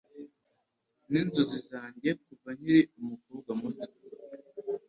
Ninzozi zanjye kuva nkiri umukobwa muto.